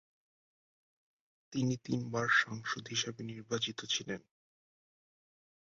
তিনি তিনবার সাংসদ হিসেবে নির্বাচিত ছিলেন।